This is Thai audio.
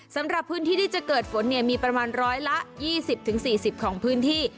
สำหรับพื้นที่ที่จะเกิดฝนเนี่ยมีประมาณ๑๒๐๔๐ของพื้นที่